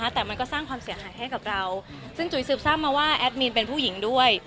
แต่มันก็สร้างความเสียหายให้กับเราซึ่งจุ๋ยสืบทราบมาว่าแอดมินเป็นผู้หญิงด้วย